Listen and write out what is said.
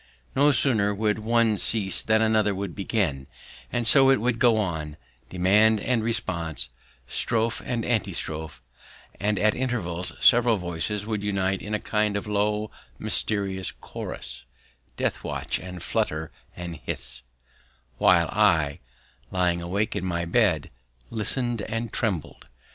No sooner would one cease than another would begin; and so it would go on, demand and response, strophe and antistrope; and at intervals several voices would unite in a kind of low mysterious chorus, death watch and flutter and hiss; while I, lying awake in my bed, listened and trembled.